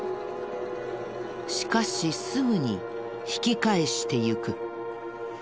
しかしすぐに引き返してゆく。